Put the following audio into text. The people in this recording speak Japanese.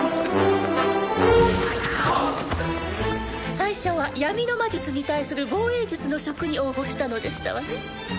最初は「闇の魔術に対する防衛術」の職に応募したのでしたわね